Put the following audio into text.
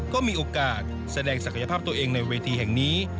ก็มีโอกาสแสดงศักยภาพตัวเองในเวทีแห่งนี้